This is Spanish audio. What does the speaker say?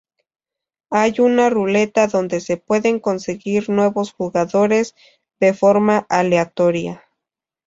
Hay un ruleta donde se pueden conseguir nuevos jugadores de forma aleatoria.